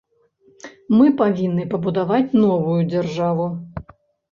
Мы павінны пабудаваць новую дзяржаву.